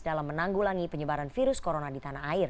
dalam menanggulangi penyebaran virus corona